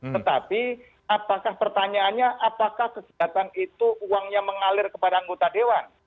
tetapi apakah pertanyaannya apakah kegiatan itu uangnya mengalir kepada anggota dewan